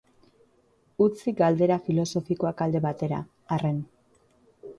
Utzi galdera filosofikoak alde batera, arren.